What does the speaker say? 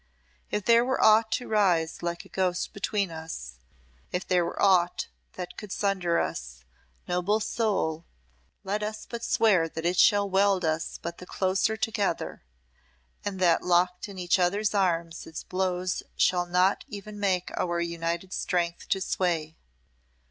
If there were aught to rise like a ghost between us, if there were aught that could sunder us noble soul, let us but swear that it shall weld us but the closer together, and that locked in each other's arms its blows shall not even make our united strength to sway.